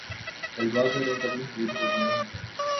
طلبا گھروں تک محدود ہو گئے ہیں